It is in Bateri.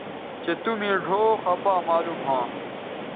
چہء تُو مے ڙھؤ خپا معلوم ھواں